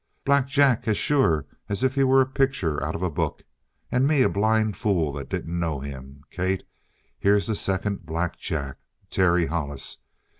Black Jack as sure as if he was a picture out of a book, and me a blind fool that didn't know him. Kate, here's the second Black Jack. Terry Hollis.